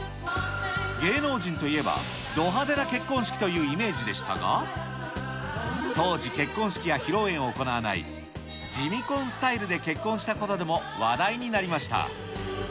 芸能人といえばど派手な結婚式というイメージでしたが、当時、結婚式や披露宴を行わないジミ婚スタイルで結婚したことも話題になりました。